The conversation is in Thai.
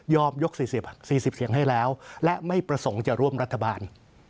๔๐เสียงให้แล้วและไม่ประสงค์จะร่วมรัฐบาล